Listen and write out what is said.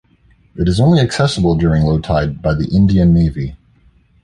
It is only accessible during low tide by the Indian Navy.